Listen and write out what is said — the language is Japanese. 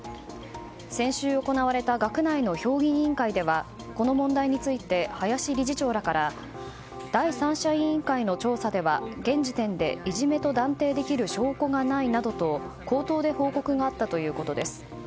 先週行われた学内の評議委員会ではこの問題について林理事長らから第三者委員会の調査では現時点で、いじめと断定できる証拠がないなどと口頭で報告があったということです。